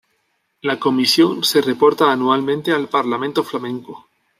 La Comisión se reporta anualmente al Parlamento Flamenco.